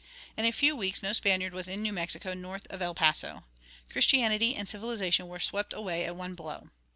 "In a few weeks no Spaniard was in New Mexico north of El Paso. Christianity and civilization were swept away at one blow."